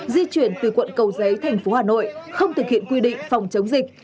di chuyển từ quận cầu giấy thành phố hà nội không thực hiện quy định phòng chống dịch